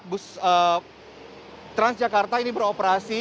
bus transjakarta ini beroperasi